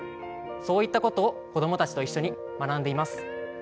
そういったことを子どもたちと一緒に学んでいます。